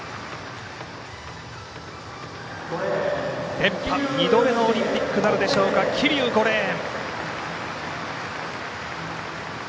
連覇、２度目のオリンピックなるでしょうか桐生、５レーン。